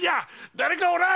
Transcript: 誰かおらん！